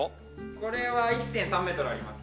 これは１．３メートルあります。